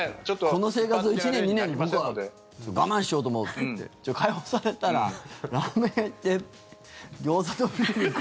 この生活を１年、２年僕は我慢しようと思うって言って解放されたらラーメンとギョーザとビールって。